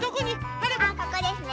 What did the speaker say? ああここですね。